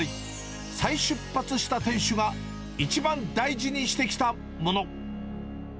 再出発した店主が一番大事にしてきたもの。